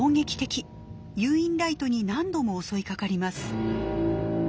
誘引ライトに何度も襲いかかります。